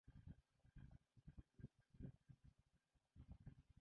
Сам будынак тады не пацярпеў.